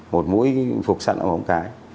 một mũi phục sẵn ở bóng cái